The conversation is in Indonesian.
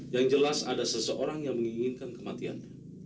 yang jelas ada seseorang yang menginginkan kematian